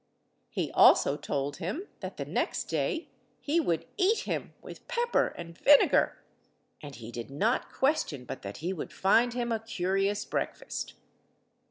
He also told him that the next day he would eat him with pepper and vinegar, and he did not question but that he would find him a curious breakfast.